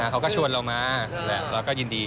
เขาก็ชวนเรามาเราก็ยินดี